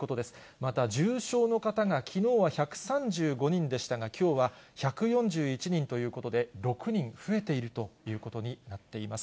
また、重症の方が、きのうは１３５人でしたが、きょうは１４１人ということで、６人増えているということになっています。